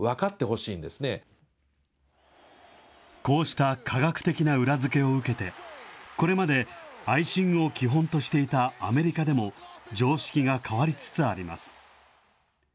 こうした科学的な裏付けを受けて、これまでアイシングを基本としていたアメリカでも、常識が変わりつつあります。